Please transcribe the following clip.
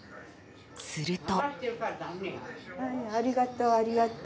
すると。